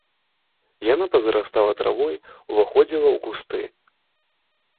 Яна пазарастала травой, уваходзіла ў кусты.